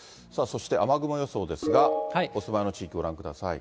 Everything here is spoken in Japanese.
そして雨雲予想ですが、お住まいの地域、ご覧ください。